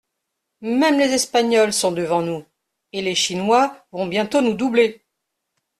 Même les Espagnols sont devant nous, et les Chinois vont bientôt nous doubler.